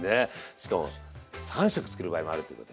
しかも３食作る場合もあるっていうことで。